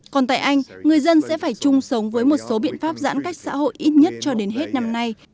còn tại anh người dân sẽ phải chung sống với một số biện pháp giãn cách xã hội ít nhất cho đến hết năm nay